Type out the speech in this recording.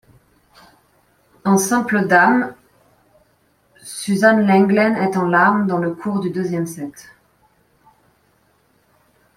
En simple dames, Suzanne Lenglen est en larmes dans le cours du deuxième set.